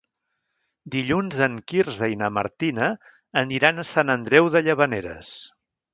Dilluns en Quirze i na Martina aniran a Sant Andreu de Llavaneres.